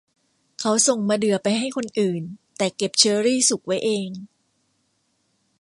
เขาส่งมะเดื่อไปให้คนอื่นแต่เก็บเชอรี่สุกไว้เอง